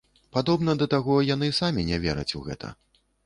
Падобна да таго, яны самі не вераць у гэта.